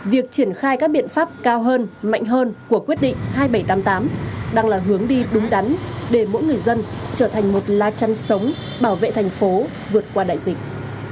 việc triển khai các biện pháp cao hơn mạnh hơn của quyết định hai nghìn bảy trăm tám mươi tám đang là hướng đi đúng đắn để mỗi người dân trở thành một la chăn sống bảo vệ thành phố vượt qua đại dịch